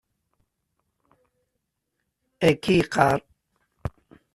Akka i yeqqar.